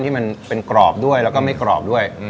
ที่มันเป็นกรอบด้วยแล้วก็ไม่กรอบด้วย